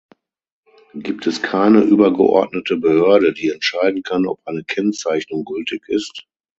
Gibt es keine übergeordnete Behörde, die entscheiden kann, ob eine Kennzeichnung gültig ist?